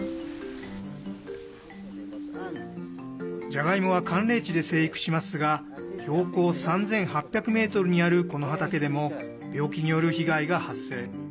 じゃがいもは寒冷地で生育しますが標高３８００ｍにあるこの畑でも病気による被害が発生。